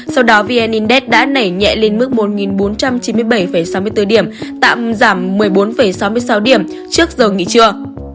sau đó vn index đã nảy nhẹ lên mức một bốn trăm chín mươi bảy sáu mươi bốn điểm tạm giảm một mươi bốn sáu mươi sáu điểm trước giờ nghỉ trưa